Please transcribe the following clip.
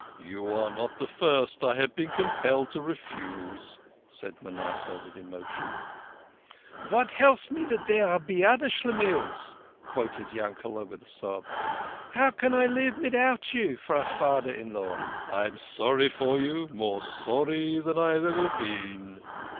"You are not the first I have been compelled to refuse," said Manasseh, with emotion. "Vat helps me dat dere be other Schlemihls (unlucky persons) ?" quoted Yanked, with a sob. " How can I live midout you for a fader in law ?"" I am sorry for you more sorry than I have ever been."